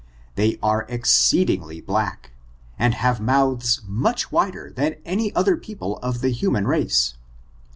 They are exceedingly black, and have moutha much wider than any other people of the human race.